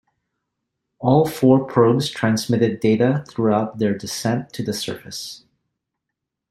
All four probes transmitted data throughout their descent to the surface.